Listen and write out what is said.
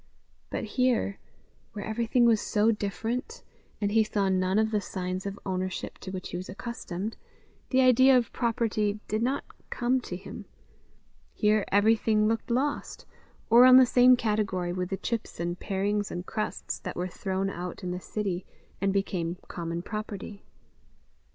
But here, where everything was so different, and he saw none of the signs of ownership to which he was accustomed, the idea of property did not come to him; here everything looked lost, or on the same category with the chips and parings and crusts that were thrown out in the city, and became common property.